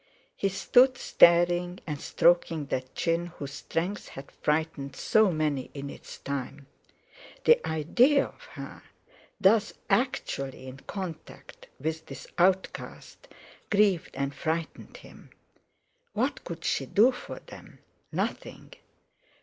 He stood, staring, and stroking that chin whose strength had frightened so many in its time. The idea of her thus actually in contact with this outcast grieved and frightened him. What could she do for them? Nothing.